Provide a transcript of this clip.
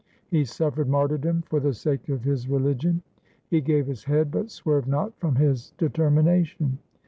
He suffered martyrdom for the sake of his religion ; He gave his head but swerved not from his determination.